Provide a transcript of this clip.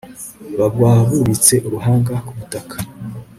bagwa bubitse uruhanga ku butaka